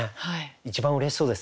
一番うれしそうです